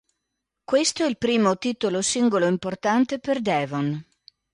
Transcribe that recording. Questo è il primo titolo singolo importante per Devon.